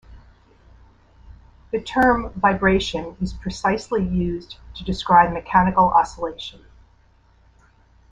The term "vibration" is precisely used to describe mechanical oscillation.